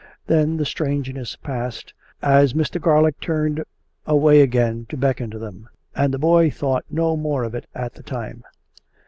... Then the strangeness passed, as Mr. Garlick turned away again to beckon to them; and the boy thought no more of it at that time.